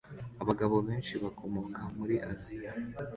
Abagabo benshi bakomoka muri Aziya